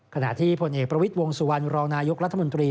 ขณะที่ผลเอกประวิทย์วงสุวรรณรองนายกรัฐมนตรี